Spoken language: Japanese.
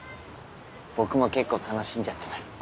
僕も結構楽しんじゃってます。